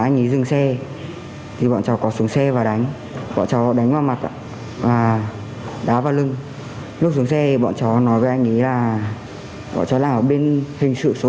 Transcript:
nhiều lần xem hình ảnh các tù cảnh sát hình sự cảnh sát một trăm bốn mươi một mặc thường phục chấn áp tội phạm trên mạng xã hội